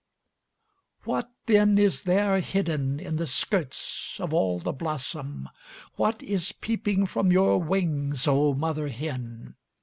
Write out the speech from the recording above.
What then is there hidden in the skirts of all the blossom, What is peeping from your wings, oh mother hen?